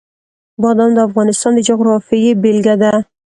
بادام د افغانستان د جغرافیې بېلګه ده.